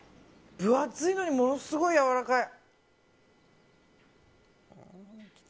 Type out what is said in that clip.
分厚いのにものすごいやわらかい。